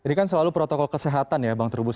ini kan selalu protokol kesehatan ya bang terubus